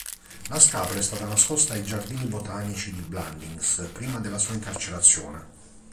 La scatola è stata nascosta ai giardini botanici di Blandings prima della sua incarcerazione.